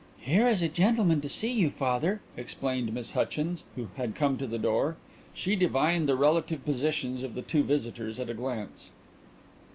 "Here is a gentleman to see you, father," explained Miss Hutchins, who had come to the door. She divined the relative positions of the two visitors at a glance.